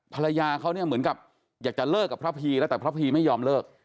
ภรรยาเขาเนี่ยเหมือนกับอยากจะเลิกกับพระพีแล้วแต่พระพีไม่ยอมเลิก